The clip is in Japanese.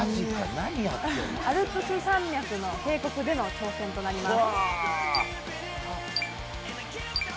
アルプス山脈の渓谷での挑戦となります。